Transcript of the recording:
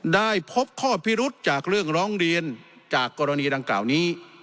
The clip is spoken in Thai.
ได้พบข้อพิรุษจากเรื่องร้องเรียนจากกรณีดังกล่าวนี้